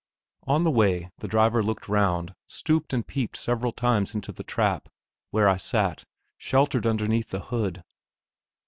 On the way the driver looked round, stooped and peeped several times into the trap, where I sat, sheltered underneath the hood.